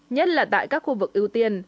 nhất là tại các khu vực ưu tiên